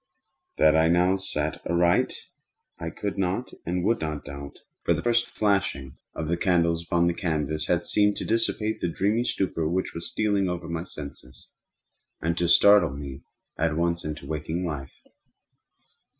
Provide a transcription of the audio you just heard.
That I now saw aright I could not and would not doubt; for the first flashing of the candles upon that canvas had seemed to dissipate the dreamy stupor which was stealing over my senses, and to startle me at once into waking life.